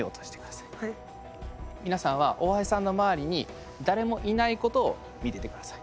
皆さんは大橋さんの周りに誰もいないことを見ててください。